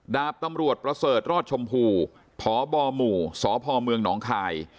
ดาบตำรวจประเสริฐรอดชมพูพบหมู่สพเมืองหนองคาย